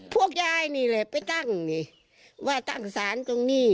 พวกยายนี่แหละไปตั้งนี่ว่าตั้งศาลตรงนี้